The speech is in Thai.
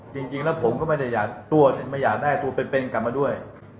จริงแล้วผมก็ไม่ได้อยากได้ตัวเป็นกลับมาด้วย